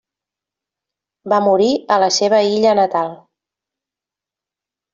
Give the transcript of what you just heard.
Va morir a la seva Illa natal.